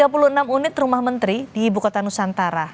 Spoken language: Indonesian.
tiga puluh enam unit rumah menteri di ibu kota nusantara